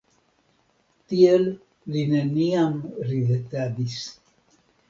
Tiel li neniam ridetadis.